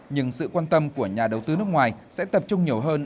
nhưng sự quan tâm của nhà đầu tư nước ngoài sẽ tập trung nhiều hơn